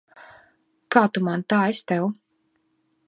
Kā tu man, tā es tev.